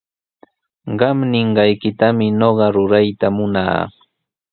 Qam ninqaykitami ñuqa rurayta munaa.